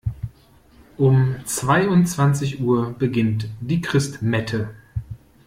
Um zweiundzwanzig Uhr beginnt die Christmette.